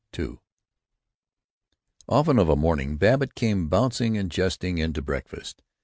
II Often of a morning Babbitt came bouncing and jesting in to breakfast.